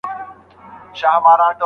ورزش د وینې جریان منظموي.